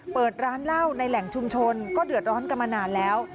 เปิดร้านเหล้าในแหล่งชุมชนก็เดือดร้อนกันมานานแล้ว